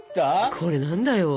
これ何だよ？